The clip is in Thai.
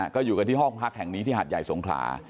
ก็อยู่กันที่ห้องพักแห่งนี้ที่หัดใหญ่สงขลา